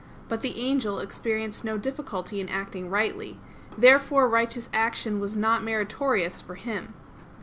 But the angel experienced no difficulty in acting rightly. Therefore righteous action was not meritorious for him.